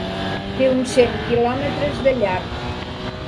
Té uns cent quilòmetres de llarg.